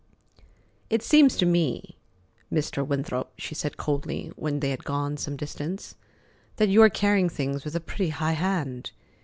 "It seems to me, Mr. Winthrop," she said coldly, when they had gone some distance, "that you are carrying things with a pretty high hand.